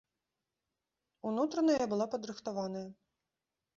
Унутрана я была падрыхтаваная.